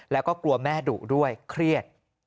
แล้วก็กลัวแม่ดุด้วยเครียด